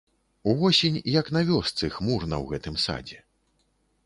Увосень, як на вёсцы, хмурна ў гэтым садзе.